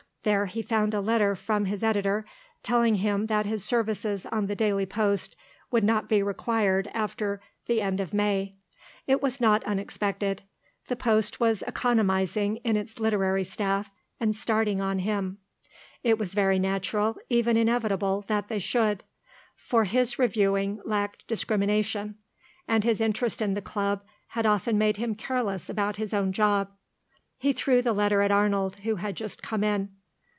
There he found a letter from his editor telling him that his services on the Daily Post would not be required after the end of May. It was not unexpected. The Post was economising in its literary staff, and starting on him. It was very natural, even inevitable, that they should; for his reviewing lacked discrimination, and his interest in the Club had often made him careless about his own job. He threw the letter at Arnold, who had just come in.